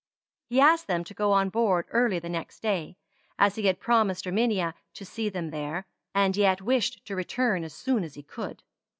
He asked them to go on board early the next day, as he had promised Erminia to see them there, and yet wished to return as soon as he could.